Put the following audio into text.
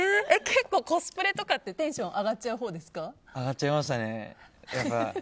結構コスプレとかってテンション上がっちゃいましたね。